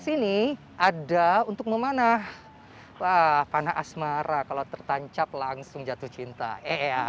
sini ada untuk memanah wah panah asmara kalau tertancap langsung jatuh cinta eh